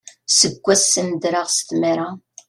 Seg wassen ddreɣ s tmara.